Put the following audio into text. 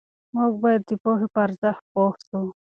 موږ باید د پوهې په ارزښت پوه سو.